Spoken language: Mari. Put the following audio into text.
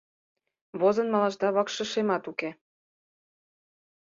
Возын малашда вакшышемат уке!